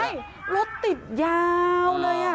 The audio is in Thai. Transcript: ใช่รถติดยาวเลย